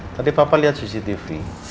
tadi papa lihat cctv